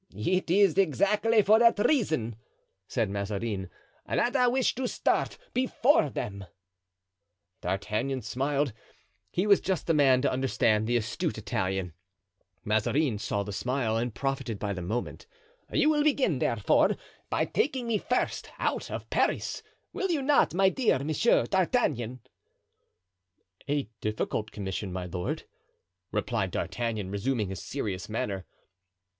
"It is exactly for that reason," said Mazarin, "that I wish to start before them." D'Artagnan smiled—he was just the man to understand the astute Italian. Mazarin saw the smile and profited by the moment. "You will begin, therefore, by taking me first out of Paris, will you not, my dear M. d'Artagnan?" "A difficult commission, my lord," replied D'Artagnan, resuming his serious manner.